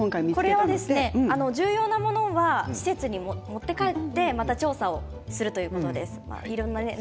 重要なものは施設に持って帰ってまた調査をするということです。